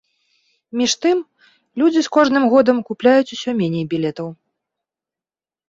Між тым, людзі з кожным годам купляюць усё меней білетаў.